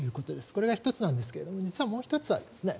これが１つなんですが実は、もう１つあります。